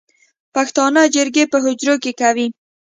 پښتانه جرګې په حجرو کې کوي